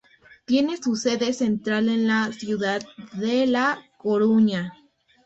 Tiene su sede central en la ciudad de La Coruña.